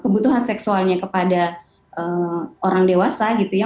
kebutuhan seksualnya kepada orang dewasa gitu ya